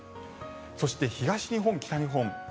そして東日本、北日本。